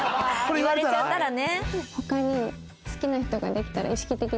言われちゃったらね。